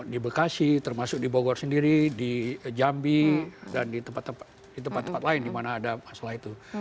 di bekasi termasuk di bogor sendiri di jambi dan di tempat tempat lain di mana ada masalah itu